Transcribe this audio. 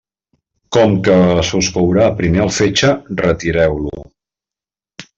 Com que se us courà primer el fetge, retireu-lo.